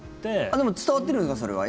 でも伝わってるのか、それは。